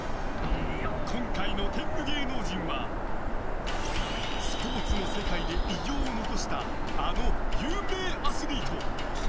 今回の天狗芸能人はスポーツの世界で偉業を残したあの有名アスリート。